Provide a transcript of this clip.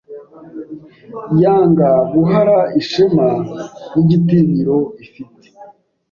yanga guhara ishema n'igitinyiro ifite